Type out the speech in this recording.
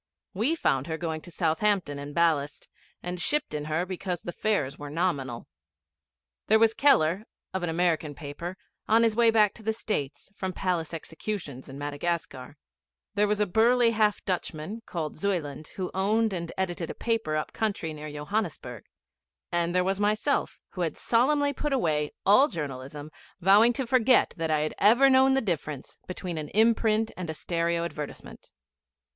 We found her going to Southampton in ballast, and shipped in her because the fares were nominal. There was Keller, of an American paper, on his way back to the States from palace executions in Madagascar; there was a burly half Dutchman, called Zuyland, who owned and edited a paper up country near Johannesburg; and there was myself, who had solemnly put away all journalism, vowing to forget that I had ever known the difference between an imprint and a stereo advertisement.